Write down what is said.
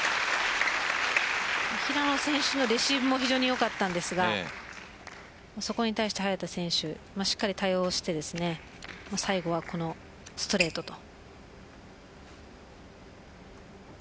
平野選手のレシーブも非常によかったですがそこに対して早田選手しっかり対応して最後はこのストレートと。